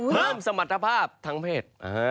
เพิ่มสมรรถภาพทั้งเพศ